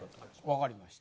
わかりました。